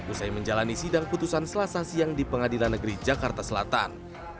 usai menjalani sidang putusan selasa siang di pengadilan negeri jakarta selatan